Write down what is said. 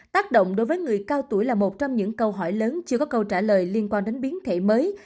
tác động đối với người cao tuổi là một trong những câu hỏi lớn chưa có câu trả lời liên quan đến biến thể mới